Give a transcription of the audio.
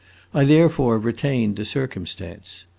I therefore retained the circumstance.